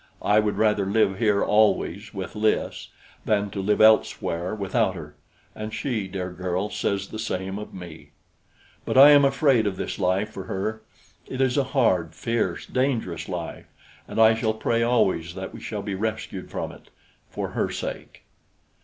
I would rather live here always with Lys than to live elsewhere without her; and she, dear girl, says the same of me; but I am afraid of this life for her. It is a hard, fierce, dangerous life, and I shall pray always that we shall be rescued from it for her sake.